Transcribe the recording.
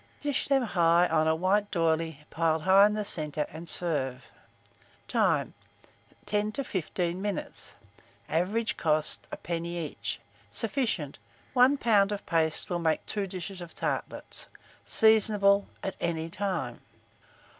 Dish them high on a white d'oyley, piled high in the centre, and serve. Time. 10 to 15 minutes. Average cost, 1d. each. Sufficient. 1 lb. of paste will make 2 dishes of tartlets. Seasonable at any time.